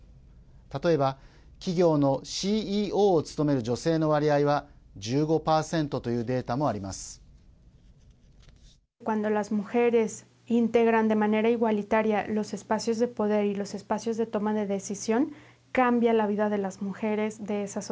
例えば、企業のＣＥＯを務める女性の割合は１５％というデータもあります。